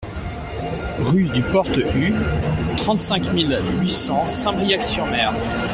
Rue du Port-Hue, trente-cinq mille huit cents Saint-Briac-sur-Mer